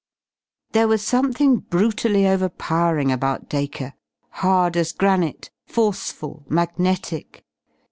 There was something brutally over powering about Dacre, hard as granite, forceful, magnetic.